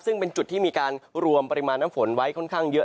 ซึ่งเป็นจุดที่มีการรวมปริมาณน้ำฝนไว้ค่อนข้างเยอะ